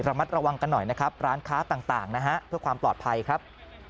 ระมัดระวังกันหน่อยนะครับร้านค้าต่างนะฮะเพื่อความปลอดภัยครับ